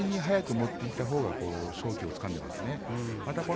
自分の形に入っていったほうが勝機をつかんでいますね。